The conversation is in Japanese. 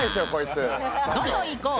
どんどんいこう。